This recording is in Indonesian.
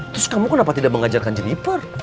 terus kamu kenapa tidak mengajarkan jeniper